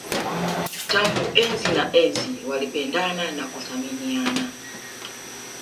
Tangu enzi na enzi walipendana na kuthaminiana